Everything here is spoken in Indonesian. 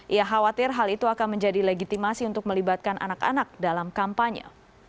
ia khawatir hal itu akan menjadi legitimasi untuk melibatkan anak anak dalam kampanye